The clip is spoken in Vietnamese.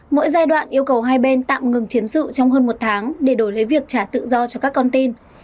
mỗi giai đoạn yêu cầu hai bên tạm ngừng chiến sự trong hơn một tháng để đổi lấy việc trả tự do cho các con tin